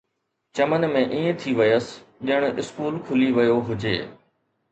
چمن ۾ ائين ٿي ويس، ڄڻ اسڪول کلي ويو هجي